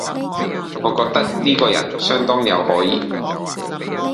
我覺得呢個人相當有可疑